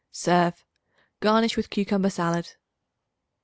Serve. Garnish with cucumber salad.